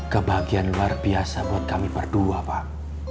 kebahagiaan luar biasa buat kami berdua pak